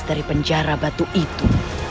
dari penjara batu itu